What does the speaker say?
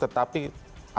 tetapi apakah memang benar